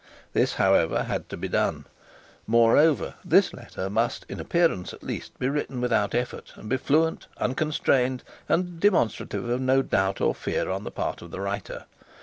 This, however, had to be done. Moreover, this letter must in appearance at least, be written without effort, and be fluent, unconstrained, and demonstrative of no doubt or fear on the part of the writer.